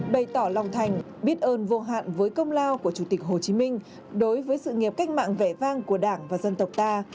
bày tỏ lòng thành biết ơn vô hạn với công lao của chủ tịch hồ chí minh đối với sự nghiệp cách mạng vẻ vang của đảng và dân tộc ta